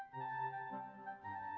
gw kita suka deh